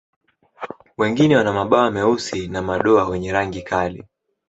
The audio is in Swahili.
Wengine wana mabawa meusi na madoa wenye rangi kali.